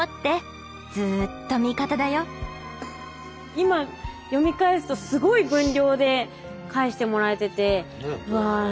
今読み返すとすごい分量で返してもらえててうわ